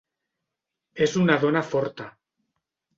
És una dona forta.